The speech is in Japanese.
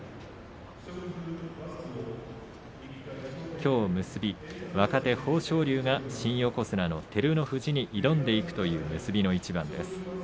きょう結び、若手豊昇龍が新横綱の照ノ富士に挑んでいくという結びの一番です。